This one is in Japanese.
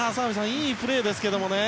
いいプレーですけどもね。